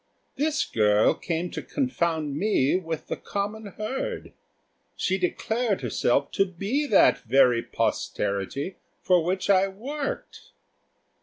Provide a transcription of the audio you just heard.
This girl came to confound me with the common herd she declared herself to be that very posterity for which I worked.